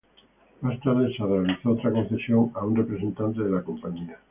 Más tarde se realizó otra concesión a un representante de la Cia.